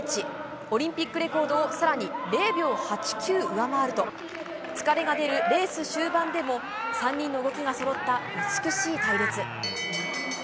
オリンピックレコードをさらに０秒８９上回ると、疲れが出るレース終盤でも、３人の動きがそろった美しい隊列。